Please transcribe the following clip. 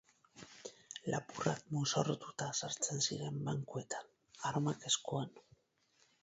Lapurrak mozorrotuta sartzen ziren bankuetan, armak eskuan.